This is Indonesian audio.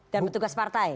dan bertugas partai